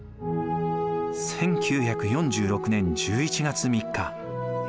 １９４６年１１月３日。